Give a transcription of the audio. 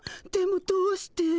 でもどうして？